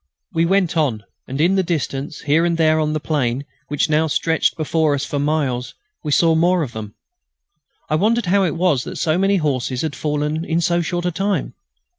We went on, and, in the distance, here and there on the plain, which now stretched before us for miles, we saw more of them. I wondered how it was that so many horses had fallen in so short a time.